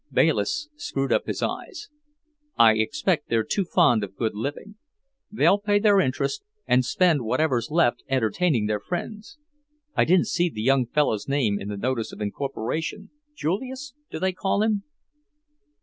Bayliss screwed up his eyes. "I expect they're too fond of good living. They'll pay their interest, and spend whatever's left entertaining their friends. I didn't see the young fellow's name in the notice of incorporation, Julius, do they call him?"